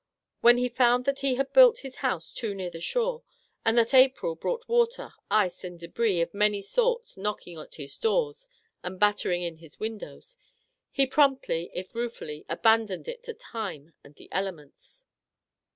When he found that he had built his house too near the shore, and that April brought water, ice, and debris of many sorts knocking at his doors and battering in his windows, he promptly, if ruefully, abandoned it to time and the elements.